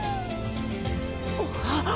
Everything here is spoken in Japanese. あっ！